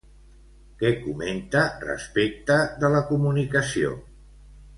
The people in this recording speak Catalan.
Què comenta respecte de la comunicació?